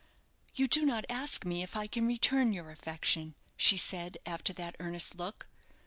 "You do not ask me if I can return your affection," she said, after that earnest look.